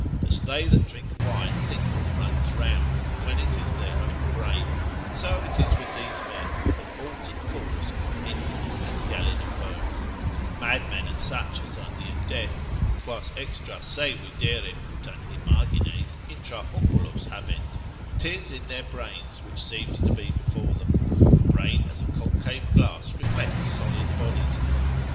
As they that drink wine think all runs round, when it is in their own brain; so is it with these men, the fault and cause is inward, as Galen affirms, mad men and such as are near death, quas extra se videre putant Imagines, intra oculos habent, 'tis in their brain, which seems to be before them; the brain as a concave glass reflects solid bodies.